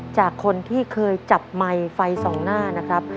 จากคนที่เคยจับไมค์ไฟส่องหน้านะครับ